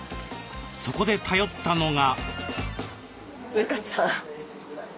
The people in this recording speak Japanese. そこで頼ったのが。